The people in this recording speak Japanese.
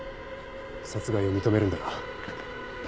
殺害を認めるんだな？